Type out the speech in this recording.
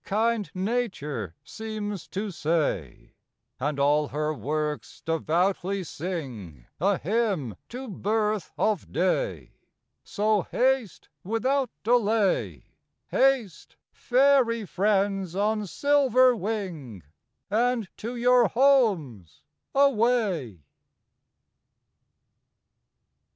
Kind Nature seems to say, And all her works devoutly sing A hymn to birth of day, So, haste, without delay, Haste, fairy friends, on silver wing, And to your homes away!